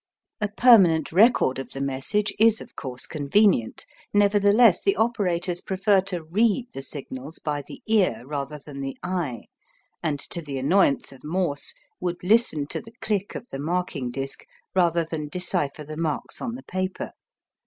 A permanent record of the message is of course convenient, nevertheless the operators prefer to "read" the signals by the ear, rather than the eye, and, to the annoyance of Morse, would listen to the click of the marking disc rather than decipher the marks on the paper.